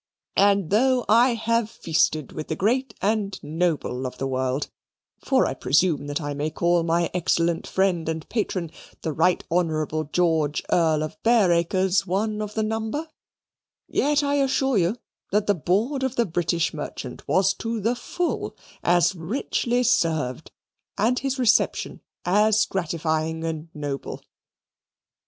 And though I have feasted with the great and noble of the world for I presume that I may call my excellent friend and patron, the Right Honourable George Earl of Bareacres, one of the number yet I assure you that the board of the British merchant was to the full as richly served, and his reception as gratifying and noble.